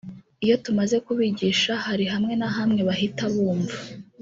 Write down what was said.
iyo tumaze kubigisha hari hamwe na hamwe bahita bumva